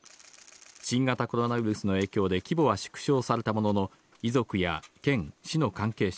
新型コロナウイルスの影響で規模は縮小されたものの、遺族や県、市の関係者